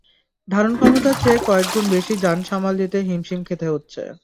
ধারণক্ষমতার চেয়ে কয়েক গুণ বেশি যান সামাল দিতে হিমশিম খেতে হচ্ছে।